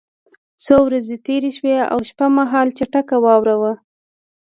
څو ورځې تېرې شوې او شپه مهال چټکه واوره وه